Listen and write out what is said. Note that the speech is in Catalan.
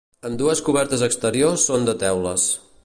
Amb dues cobertes exteriors són de teules.